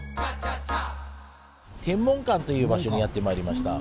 天文館という場所にやってまいりました。